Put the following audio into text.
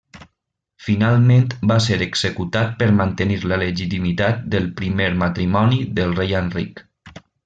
Finalment va ser executat per mantenir la legitimitat del primer matrimoni del rei Enric.